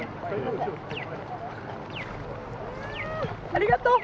ありがとう。